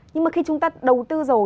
nhưng mà khi chúng ta đầu tư rồi